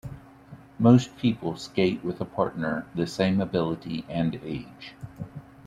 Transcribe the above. Most people skate with a partner the same ability and age.